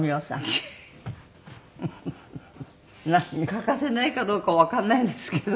欠かせないかどうかわかんないんですけど。